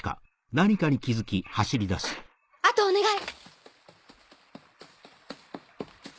あとお願い。